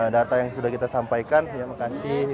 data yang sudah kita sampaikan ya makasih ya